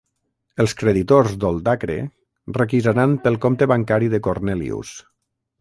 Els creditors d'Oldacre requisaran pel compte bancari de Cornelius.